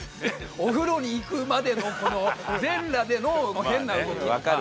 お風呂に行くまでのこの全裸での変な動きとか。